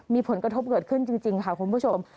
มีผลกระทบเกิดขึ้นจริงค่ะคุณผู้ชม